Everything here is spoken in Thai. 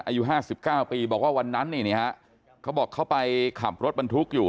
อายุห้าสิบเก้าปีบอกว่าวันนั้นเนี้ยนะฮะเขาบอกเข้าไปขับรถบรรทุกอยู่